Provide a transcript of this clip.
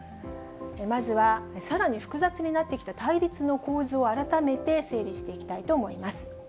まずは、さらに複雑になってきた対立の構図を、改めて整理していきたいと思います。